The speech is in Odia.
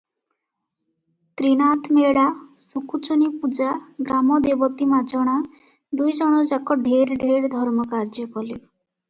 ତ୍ରିନାଥମେଳା, ସୁକୁଚୂନିପୂଜା, ଗ୍ରାମଦେବତୀ ମାଜଣା, ଦୁଇଜଣଯାକ ଢେର ଢେର ଧର୍ମ କାର୍ଯ୍ୟ କଲେ ।